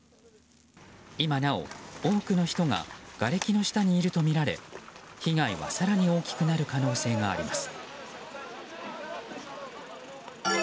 今なお、多くの人ががれきの下にいるとみられ被害は更に大きくなる可能性があります。